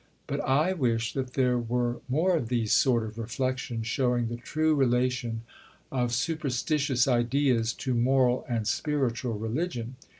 But I wish that there were more of these sort of reflections showing the true relation of superstitious ideas to moral and spiritual religion."